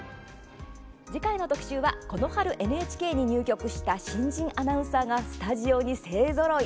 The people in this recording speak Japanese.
次回の特集はこの春、ＮＨＫに入局した新人アナウンサーがスタジオに勢ぞろい。